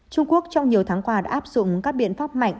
trung quốc trong nhiều tháng qua đã áp dụng các biện pháp mạnh